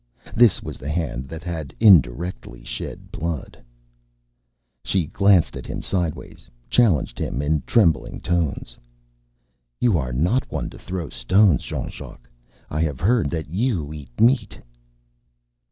This was the hand that had, indirectly, shed blood. She glanced at him sidewise, challenged him in trembling tones. "You are not one to throw stones, Jean Jacques. I have heard that you eat meat."